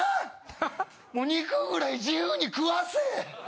もう肉ぐらい自由に食わせぇ。